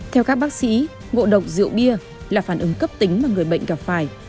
theo các bác sĩ ngộ độc rượu bia là phản ứng cấp tính mà người bệnh gặp phải